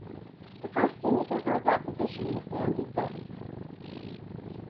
The first student to hold that position was Sandy Phillips.